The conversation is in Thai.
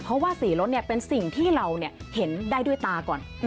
เพราะว่าสีรถเป็นสิ่งที่เราเห็นได้ด้วยตาก่อน